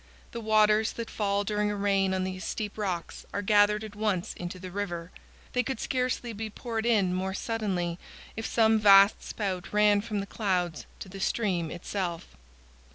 The waters that fall during a rain on these steep rocks are gathered at once into the river; they could scarcely be poured in more suddenly if some vast spout ran from the clouds to the stream itself.